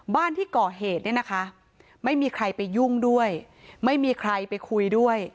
บ้านที่ก่อเหตุเนี่ยนะคะไม่มีใครไปยุ่งด้วยไม่มีใครไปคุยด้วย